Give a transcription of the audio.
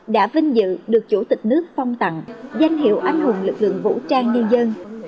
đã vinh dự được chủ tịch nước phong tặng danh hiệu anh hùng lực lượng vũ trang nhân dân